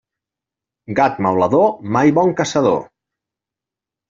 Gat maulador, mai bon caçador.